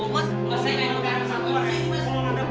mas saya mau ke antar antar